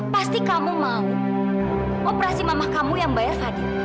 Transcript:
pasti kamu mau operasi mamah kamu yang bayar